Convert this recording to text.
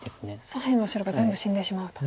左辺の白が全部死んでしまうと。